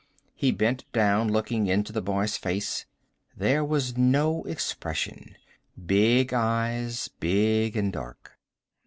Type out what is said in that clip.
He bent down, looking into the boy's face. There was no expression. Big eyes, big and dark.